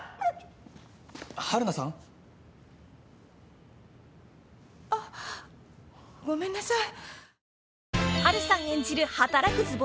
春菜さん？あっごめんなさい。